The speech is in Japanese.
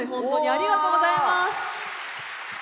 ありがとうございます！